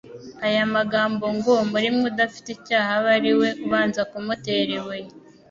Aya magambo ngo: "Muri mwe udafite icyaha abe ari we ubanza kumutera ibuye,"